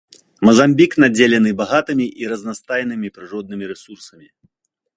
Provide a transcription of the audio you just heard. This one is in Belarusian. Мазамбік надзелены багатымі і разнастайнымі прыроднымі рэсурсамі.